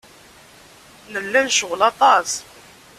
Nella necɣel aṭas.